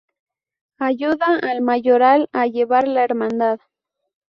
Ayuda al Mayoral a llevar la hermandad.